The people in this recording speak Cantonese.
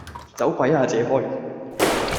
走鬼呀借開!